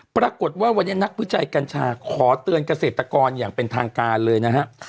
ปรากฏว่าวันนี้นักวิจัยกัญชาขอเตือนเกษตรกรอย่างเป็นทางการเลยนะครับ